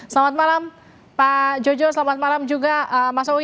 selamat malam pak jojo selamat malam juga mas owi